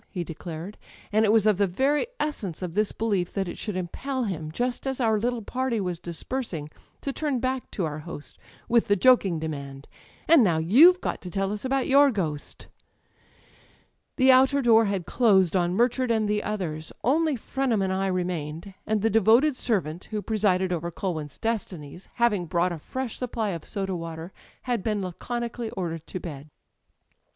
he declared; and it was of the very essence of this belief that it should impel him â€" ^just as our little party was dispersing â€" ^to turn back to our host with the joking demand: "And now youVe got to tell us about your ghost!" The outer door had closed on Murchard and the others; only Frenham and I remained; and the devoted servant who presided over Culwin's destitiies, having brought a fresh supply of soda water, had been laconi cally ordered to bed.